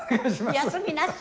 休みなし。